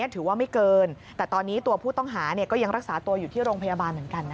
ตอนนี้ตัวผู้ต้องหายังรักษาตัวอยู่ที่โรงพยาบาลเหมือนกัน